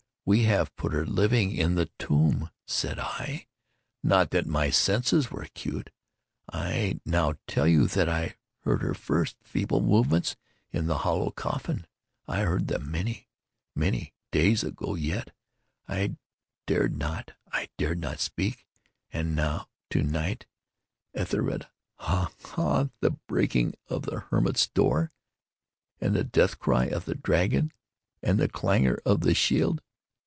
We have put her living in the tomb! Said I not that my senses were acute? I now tell you that I heard her first feeble movements in the hollow coffin. I heard them—many, many days ago—yet I dared not—I dared not speak! And now—to night—Ethelred—ha! ha!—the breaking of the hermit's door, and the death cry of the dragon, and the clangor of the shield!